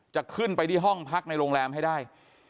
จะขึ้นไปที่ห้องพักในโรงแรมให้ได้